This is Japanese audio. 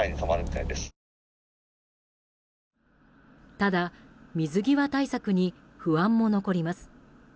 ただ、水際対策に不安も残ります。